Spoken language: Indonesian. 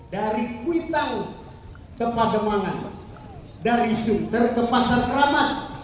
dari kuitang ke pagemangan dari suter ke pasar keramat